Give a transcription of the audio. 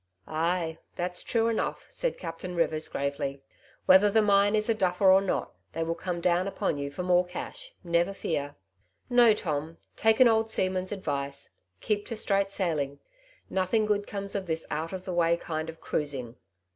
" Aye, that's true enough," said Captain Rivers gravely. " Whether the mine is a duffer or not, they will come down upon you for more cash, never fear. No, Tom, take an old seamen's advice, keep to straight sailing ; nothing good comes of this out of the way kind of cruising."